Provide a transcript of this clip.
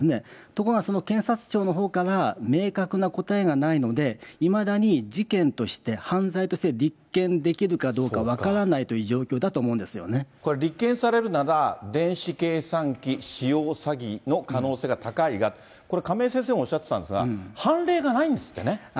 ところがその検察庁のほうから明確な答えがないので、いまだに事件として犯罪として立件できるかどうか分からないといこれ、立件されるなら電子計算機使用詐欺の可能性が高いが、これ亀井先生もおっしゃってたんですが、判例がないんですってね。